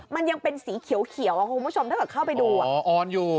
มันยังเป็นสีเขียวคุณผู้ชมถ้าเกิดเข้าไปดูอ๋อออนอยู่